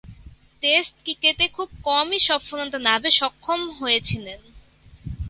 Test ক্রিকেটে খুব কমই সফলতা লাভে সক্ষম হয়েছিলেন।